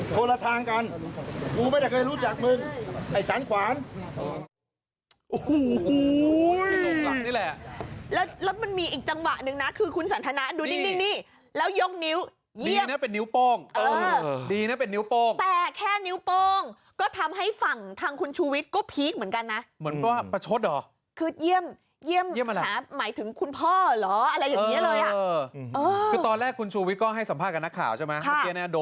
โทรมานี่ดีกว่านะมาไอ้สันมึงอยากจะบ้าไหมหรอ